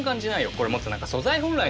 これもっと何か素材本来の味。